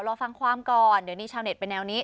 รอฟังความก่อนเดี๋ยวนี้ชาวเน็ตเป็นแนวนี้